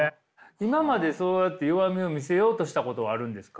今までそうやって弱みを見せようとしたことはあるんですか？